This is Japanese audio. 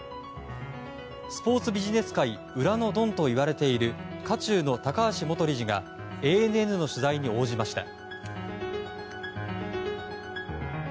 スポーツビジネス界裏のドンといわれている渦中の高橋元理事がＡＮＮの取材に応じました。